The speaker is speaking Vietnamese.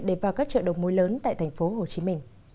để vào các trợ đồng mối lớn tại tp hcm